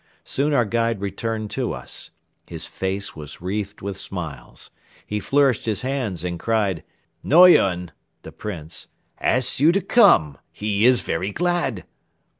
Soon our guide returned to us. His face was wreathed with smiles. He flourished his hands and cried: "Noyon (the Prince) asks you to come! He is very glad!"